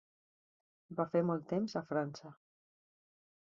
Va fer molt temps a França.